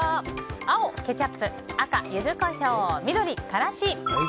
青、ケチャップ赤、ユズコショウ緑、辛子。